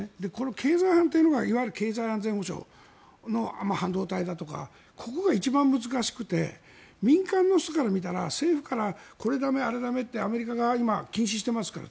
経済班というのがいわゆる経済安全保障の半導体とかここが一番難しくて民間の人から見たら政府からあれは駄目これは駄目ってアメリカが禁止していますから。